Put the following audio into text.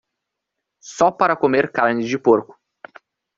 Só para comer carne de porco